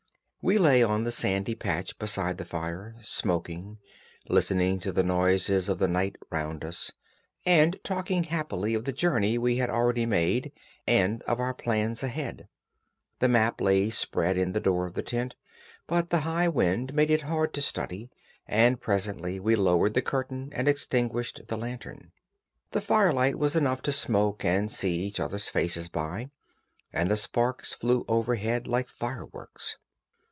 We lay on the sandy patch beside the fire, smoking, listening to the noises of the night round us, and talking happily of the journey we had already made, and of our plans ahead. The map lay spread in the door of the tent, but the high wind made it hard to study, and presently we lowered the curtain and extinguished the lantern. The firelight was enough to smoke and see each other's faces by, and the sparks flew about overhead like fireworks.